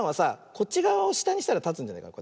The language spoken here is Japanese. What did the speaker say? こっちがわをしたにしたらたつんじゃないかな。